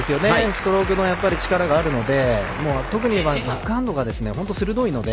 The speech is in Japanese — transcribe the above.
ストロークの力があるので特にいえばバックハンドが本当に鋭いので。